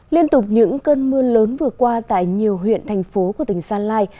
liên tục những cơn mưa lớn vừa qua tại nhiều huyện thành phố của tỉnh gia lai